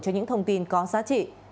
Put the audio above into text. cho những thông tin có giá trị